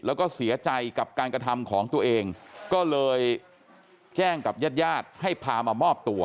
แล้วก็เสียใจกับการกระทำของตัวเองก็เลยแจ้งกับญาติญาติให้พามามอบตัว